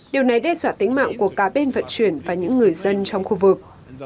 điều này đe dọa tính mạng của cả bên vận chuyển và những người dân trong khu vực